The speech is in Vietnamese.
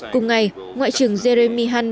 cùng ngày ngoại trưởng jeremy hunt